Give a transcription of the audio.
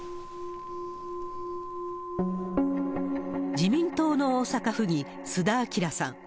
自民党の大阪府議、須田旭さん。